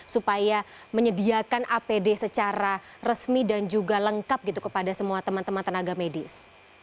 supaya menyediakan apd secara resmi dan juga lengkap gitu kepada semua teman teman tenaga medis